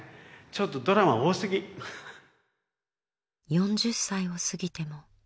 ４０歳を過ぎても。